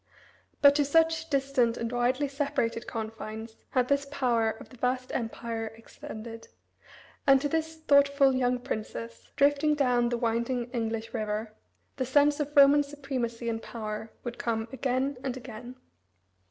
But to such distant and widely separated confines had this power of the vast Empire extended; and to this thoughtful young princess, drifting down the winding English river, the sense of Roman supremacy and power would come again and again.